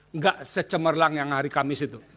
enggak secemerlang yang hari kamis itu